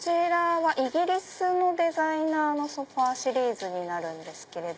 イギリスのデザイナーのソファシリーズになるんです。